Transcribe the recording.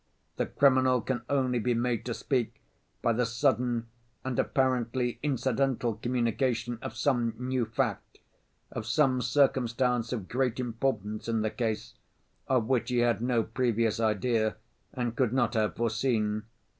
The criminal can only be made to speak by the sudden and apparently incidental communication of some new fact, of some circumstance of great importance in the case, of which he had no previous idea and could not have foreseen.